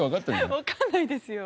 わかんないですよ。